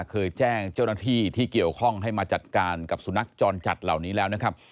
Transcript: เคยแจ้งเจ้าหน้าที่ที่เกี่ยวข้องให้มาจัดการกับสุนัขจรจัดเหล่านี้แล้วนะครับ